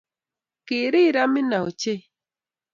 Kirir Amina ochei